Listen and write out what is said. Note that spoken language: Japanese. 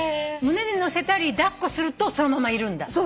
胸にのせたり抱っこするとそのままいるんだ？